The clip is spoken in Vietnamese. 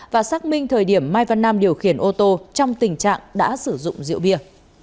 và xác minh thời điểm mai văn nam điều khiển ô tô trong tình trạng đã sử dụng rượu bia